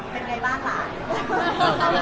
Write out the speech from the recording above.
เป็นไงบ้างหลาน